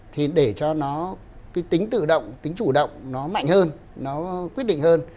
thì để cho nó cái tính tự động tính chủ động nó mạnh hơn nó quyết định hơn